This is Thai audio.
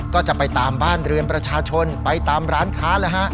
ก็จะไปตามบ้านเรือนประชาชนไปตามร้านค้า